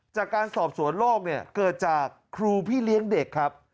จากการสอบสวนโลกเนี่ยเกิดจากครูพี่เลี้ยงเด็กครับ